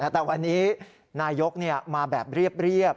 แต่วันนี้นายกมาแบบเรียบ